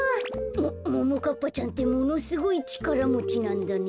もももかっぱちゃんってものすごいちからもちなんだね。